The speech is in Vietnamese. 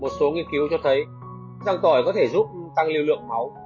một số nghiên cứu cho thấy trăng tỏi có thể giúp tăng lưu lượng máu